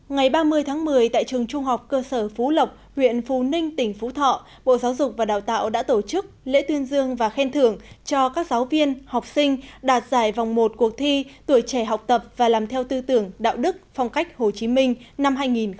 ngày ba mươi tháng một mươi tại trường trung học cơ sở phú lộc huyện phú ninh tỉnh phú thọ bộ giáo dục và đào tạo đã tổ chức lễ tuyên dương và khen thưởng cho các giáo viên học sinh đạt giải vòng một cuộc thi tuổi trẻ học tập và làm theo tư tưởng đạo đức phong cách hồ chí minh năm hai nghìn một mươi chín